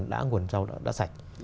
đã nguồn rau đã sạch